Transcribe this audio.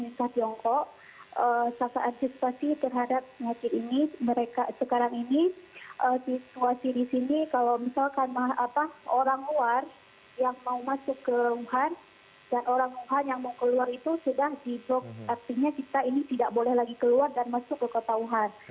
pemerintah tiongkok serta antisipasi terhadap penyakit ini mereka sekarang ini situasi di sini kalau misalkan orang luar yang mau masuk ke wuhan dan orang wuhan yang mau keluar itu sudah di blok artinya kita ini tidak boleh lagi keluar dan masuk ke kota wuhan